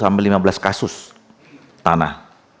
sampai lima belas kasus tanah